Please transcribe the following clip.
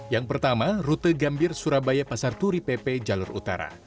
yang pertama rute gambir surabaya pasar turi pp jalur utara